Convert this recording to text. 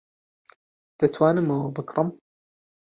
دەتوانم ئەوە بکڕم؟